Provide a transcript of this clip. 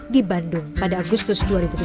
di bandung pada agustus dua ribu tujuh belas